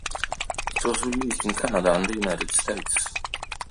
It was released in Canada and the United States.